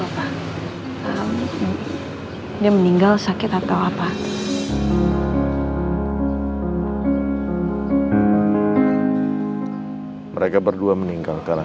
vil katakan terima kasih